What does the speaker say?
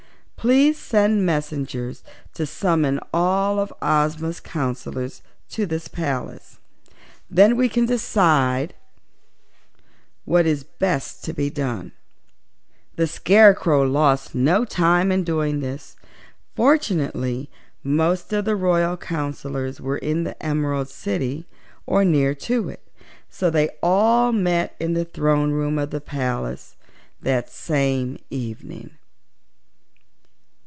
"Please send messengers to summon all of Ozma's counsellors to this palace. Then we can decide what is best to be done." The Scarecrow lost no time in doing this. Fortunately most of the royal counsellors were in the Emerald City or near to it, so they all met in the throne room of the palace that same evening.